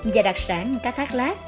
và đặc sản cá thác lát